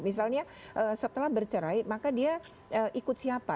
misalnya setelah bercerai maka dia ikut siapa